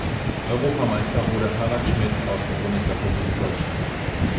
Europameister wurde Harald Schmid aus der Bundesrepublik Deutschland.